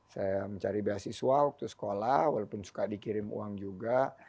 saya mencari beasiswa waktu sekolah walaupun suka dikirim uang juga